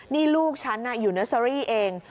นี่ลูกฉันอยู่เนอร์เซอรี่เอง